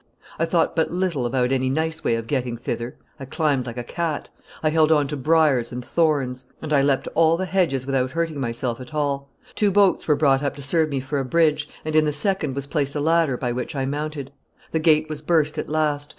I thought but little about any nice way of getting thither; I climbed like a cat; I held on to briers and thorns, and I leapt all the hedges without hurting myself at all; two boats were brought up to serve me for a bridge, and in the second was placed a ladder by which I mounted. The gate was burst at last.